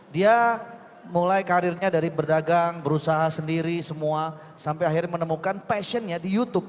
dia mulai karirnya dari berdagang berusaha sendiri semua sampai akhirnya menemukan passionnya di youtube